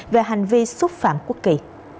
về hành vi xúc phạm quốc kỳ